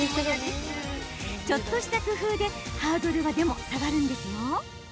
ちょっとした工夫でハードルは下がるんです。